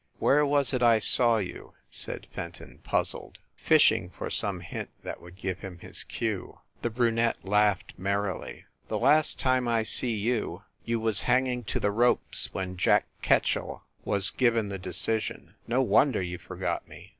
"Where was it I saw you ?" said Fenton puzzled. THE CAXTON DINING ROOM 155 fishing for some hint that would give him his cue. The brunette laughed merrily. "The last time I see you, you was hanging to the ropes when Jack Ketchell was given the decision. No wonder you forgot me!"